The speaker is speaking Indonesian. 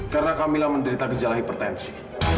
karena kamila menderita gejala hipertensi